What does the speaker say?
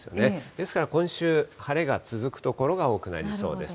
ですから今週、晴れが続く所が多くなりそうです。